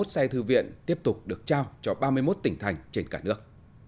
ba mươi một xe thư viện tiếp tục được trao cho ba mươi một tỉnh thành trên cả nước